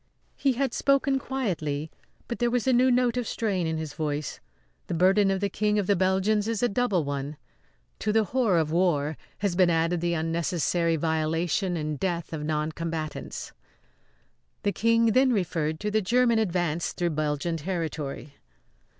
He had spoken quietly, but there was a new note of strain in his voice. The burden of the King of the Belgians is a double one. To the horror of war has been added the unnecessary violation and death of noncombatants. The King then referred to the German advance through Belgian territory.